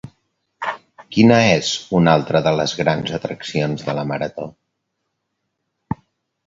Quina és una altra de les grans atraccions de La Marató?